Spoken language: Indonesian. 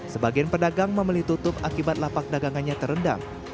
sebagian pedagang memilih tutup akibat lapak dagangannya terendam